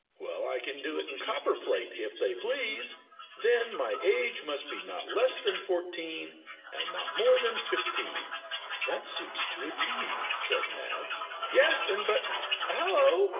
Well, I can do it in copperplate, if they please. Then my age must be not less than fourteen, and not more than fifteen." "That suits to a T," said Madge. "Yes; and, but hallo!